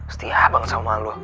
setia banget sama lo